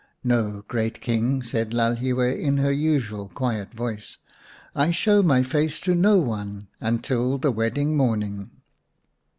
" No, great King," said Lalhiwe in her usual quiet voice ;" I show my face to no one until the wedding morning."